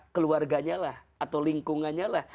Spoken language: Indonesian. keluarganya lah atau lingkungannya lah